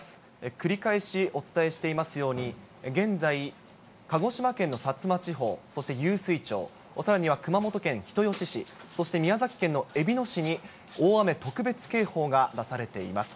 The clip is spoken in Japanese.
繰り返しお伝えしていますように、現在、鹿児島県の薩摩地方、そして湧水町、さらには熊本県人吉市、そして宮崎県のえびの市に、大雨特別警報が出されています。